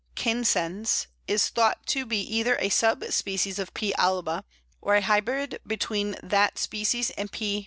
canescens_), is thought to be either a sub species of P. alba, or a hybrid between that species and _P.